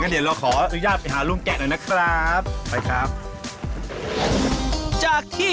อันนั้นจะมีรูเลือยลงมาจีนค่ะ